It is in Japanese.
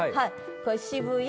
これ「渋谷」